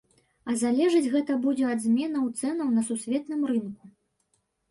А залежыць гэта будзе ад зменаў цэнаў на сусветным рынку.